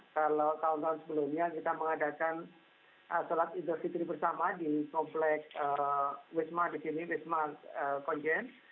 kalau tahun tahun sebelumnya kita mengadakan sholat idul fitri bersama di komplek wisma di sini wisma konjen